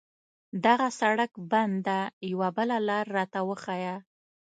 دغه سړک بند ده، یوه بله لار راته وښایه.